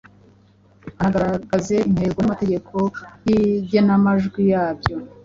unagaragaze intego n’amategeko y’igenamajwi yabyo.